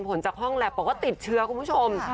จากห้องแล็บบอกว่าติดเชื้อคุณผู้ชม